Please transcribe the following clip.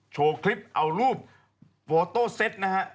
โชว์คลิปเอารูปโวโต้เซ็ตนะฮะ